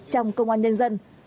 trong công an nhân dân